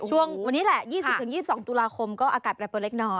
ช่วงนี้แหละ๒๐๒๒ตุลาคมก็อากาศแปรปนเล็กน้อย